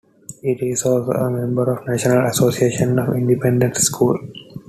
It is also a member of the National Association of Independent Schools.